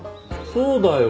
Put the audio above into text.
そうだよ。